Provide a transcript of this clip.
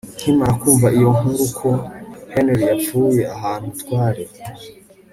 nkimara kumva iyo nkuru ko Henry yapfuye ahantu twari